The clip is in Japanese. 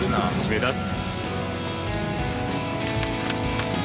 目立つ。